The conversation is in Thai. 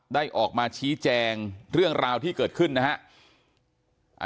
ได้ออกมาชี้แจงเรื่องราวที่เกิดขึ้นนะฮะ